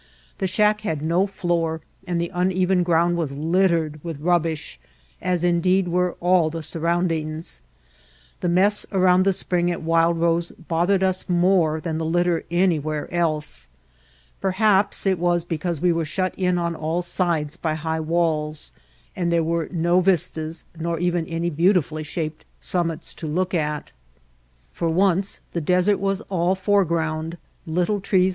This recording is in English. The shack had no floor and the uneven ground was littered with rubbish, as indeed were all the surroundings. The mess around the spring at Wild Rose both ered us more than the litter anywhere else. Per haps it was because we were shut in on all sides by high walls, and there were no vistas nor even any beautifully shaped summits to look at. For once the desert was all foreground, little trees [.